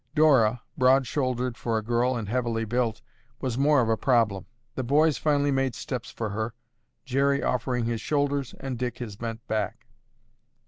Dora, broad shouldered for a girl and heavily built, was more of a problem. The boys finally made steps for her, Jerry offering his shoulders and Dick his bent back.